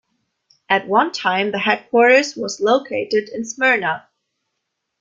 At one time the headquarters was located in Smyrna.